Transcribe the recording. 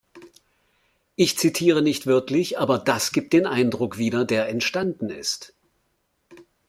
Ich zitiere nicht wörtlich, aber das gibt den Eindruck wieder, der entstanden ist.